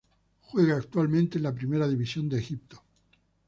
Juega actualmente en la Primera División de Egipto.